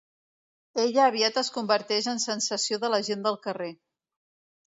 Ella aviat es converteix en sensació de la gent del carrer.